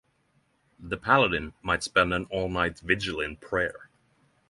The paladin might spend an all-night vigil in prayer.